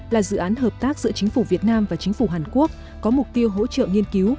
là dự án hợp tác giữa chính phủ việt nam và chính phủ hàn quốc có mục tiêu hỗ trợ nghiên cứu